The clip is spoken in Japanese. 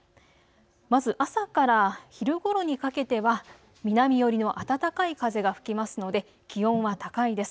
まず朝から昼ごろにかけては南寄りの暖かい風が吹きますので気温は高いです。